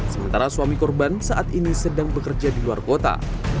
sementara suami korban saat ini sedang bekerja di luar kota